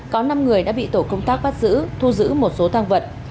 có năm người đã bị tổ công tác bắt giữ thu giữ một số tăng vật